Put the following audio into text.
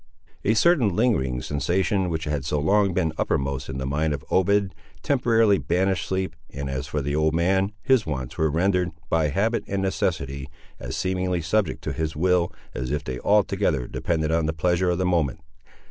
A certain lingering sensation, which had so long been uppermost in the mind of Obed, temporarily banished sleep; and as for the old man, his wants were rendered, by habit and necessity, as seemingly subject to his will as if they altogether depended on the pleasure of the moment.